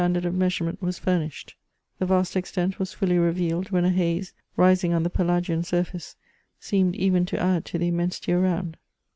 245 staDdard of measurement was furnished ; the vast extent was fully revealed when a haze, rising on the pelagian surface, seemed even to add to the immensity around.